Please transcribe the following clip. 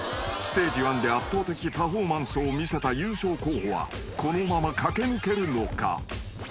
ステージ１で圧倒的パフォーマンスを見せた優勝候補はこのまま駆け抜けるのか？］